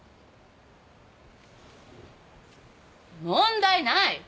問題ない！